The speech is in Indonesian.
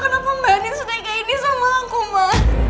kenapa mbak anin sudah ikut ini sama aku ma